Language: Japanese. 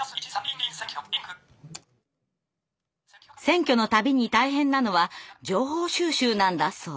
選挙の度に大変なのは情報収集なんだそう。